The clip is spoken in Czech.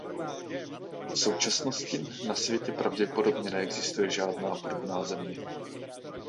V současnosti na světě pravděpodobně neexistuje žádná podobná země.